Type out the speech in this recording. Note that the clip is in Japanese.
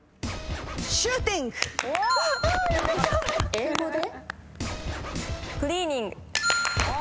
英語で？